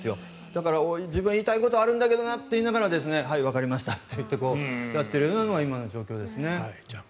だから、自分は言いたいことはあるんだけどと言いながらはい、わかりましたと言っているようなのが今の状況ですね。